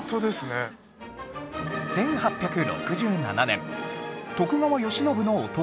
１８６７年徳川慶喜の弟